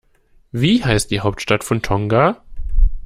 Wie heißt die Hauptstadt von Tonga?